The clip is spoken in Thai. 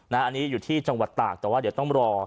อันนี้อยู่ที่จังหวัดตากแต่ว่าเดี๋ยวต้องรอ